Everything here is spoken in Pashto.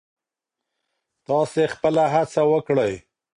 تاسې خپله هڅه وکړئ.